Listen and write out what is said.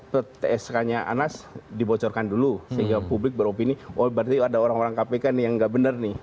ptsk nya anas dibocorkan dulu sehingga publik beropini wah berarti ada orang orang kpk nih yang nggak benar nih